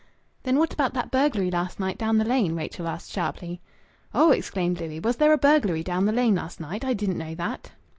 "Then what about that burglary last night down the Lane?" Rachel asked sharply. "Oh!" exclaimed Louis. "Was there a burglary down the Lane last night? I didn't know that."